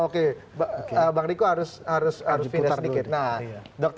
oke bang riko harus harus harus putar sedikit